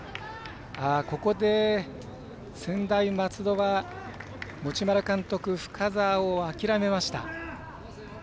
ここで、専大松戸は持丸監督、深沢を諦めました。